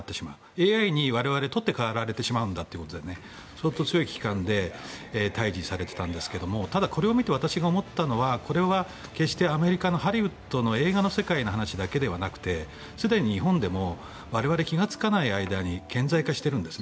ＡＩに我々取って代わられてしまうんだという非常に強い危機感で対峙されていたんですがただ、これを見て私が思ったのはこれは決してアメリカのハリウッドの映画の世界の話だけではなく日本でも我々、気がつかない間に顕在化しているんです。